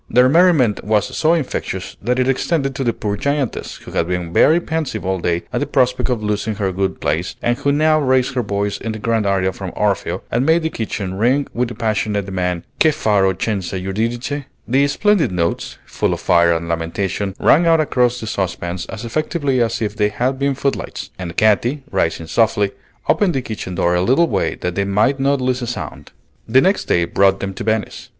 Their merriment was so infectious that it extended to the poor giantess, who had been very pensive all day at the prospect of losing her good place, and who now raised her voice in the grand aria from "Orfeo," and made the kitchen ring with the passionate demand "Che farò senza Eurydice?" The splendid notes, full of fire and lamentation, rang out across the saucepans as effectively as if they had been footlights; and Katy, rising softly, opened the kitchen door a little way that they might not lose a sound. The next day brought them to Venice.